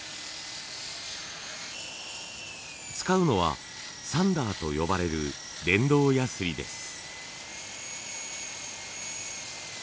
使うのはサンダーと呼ばれる電動ヤスリです。